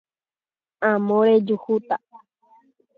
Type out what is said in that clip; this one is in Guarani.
Amo rejuhúta